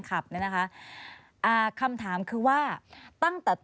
ขอเรียกสำรวจเลย